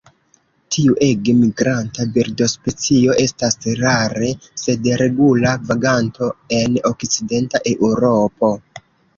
Tiu ege migranta birdospecio estas rare sed regula vaganto en okcidenta Eŭropo.